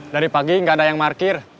dari pagi gak ada yang markir